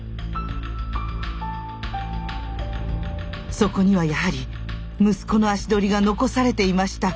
そこにはやはり息子の足取りが残されていました。